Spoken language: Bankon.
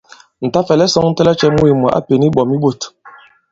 Ǹ ta-fɛ̀lɛ sɔ̄ŋtɛ lacɛ̄ mût mwǎ a pěn iɓɔ̀m di mût!